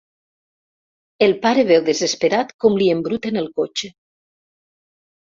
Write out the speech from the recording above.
El pare veu desesperat com li embruten el cotxe.